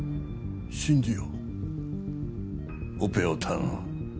信じようオペを頼む